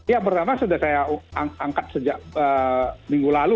ya pertama sudah saya angkat sejak minggu lalu